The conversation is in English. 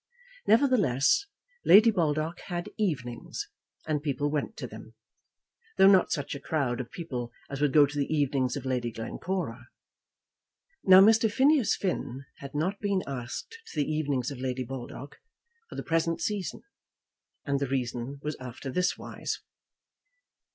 Nevertheless, Lady Baldock had "evenings," and people went to them, though not such a crowd of people as would go to the evenings of Lady Glencora. Now Mr. Phineas Finn had not been asked to the evenings of Lady Baldock for the present season, and the reason was after this wise.